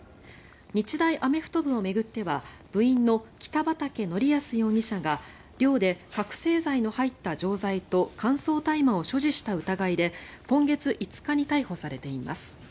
日大アメフト部を巡っては部員の北畠成文容疑者が寮で覚醒剤の入った錠剤と乾燥大麻を所持した疑いで今月５日に逮捕されています。